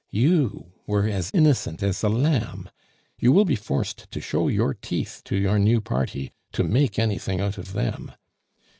You were as innocent as a lamb; you will be forced to show your teeth to your new party to make anything out of them.